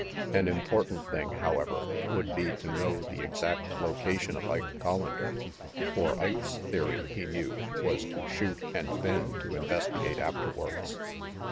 An important thing, however, would be to know the exact location of Ike Collander; for Ike's theory, he knew, was to shoot and then to investigate afterwards.